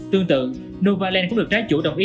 tương tự novaland cũng được trái chủ đồng ý